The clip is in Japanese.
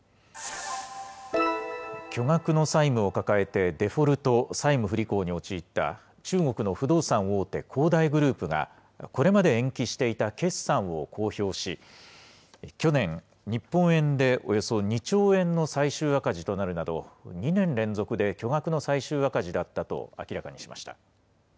巨額の債務を抱えてデフォルト・債務不履行に陥った中国の不動産大手、恒大グループが、これまで延期していた決算を公表し、去年、日本円でおよそ２兆円の最終赤字となるなど、２年連続で巨額の最終赤字だったと明らかにしました。